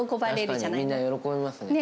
確かに、みんな喜びます。